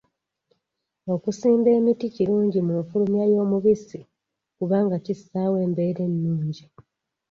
Okusimba emiti kirungi mu nfulumya y'omubisi kubanga kissaawo embeera ennungi.